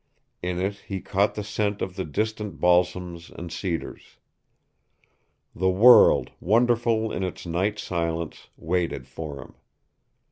In it he caught the scent of the distant balsams and cedars. The world, wonderful in its night silence, waited for him.